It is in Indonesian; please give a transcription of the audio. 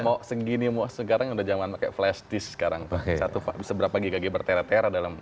mau segini mau sekarang udah zaman pake flash disk sekarang pakai satu seberapa giga gb tertera dalam